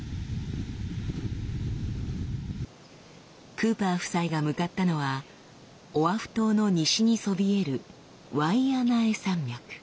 クーパー夫妻が向かったのはオアフ島の西にそびえるワイアナエ山脈。